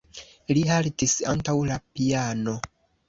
Li haltis antaŭ la piano.